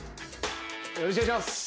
よろしくお願いします。